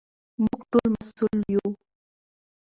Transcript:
موږ ټول مسوول یو.